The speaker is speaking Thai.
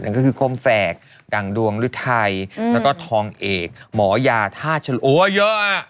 นั่นก็คือโค้มแฟกดังดวงรึทัยแล้วก็ทองเอกหมอยาทาชลโอ้วเยอะอะ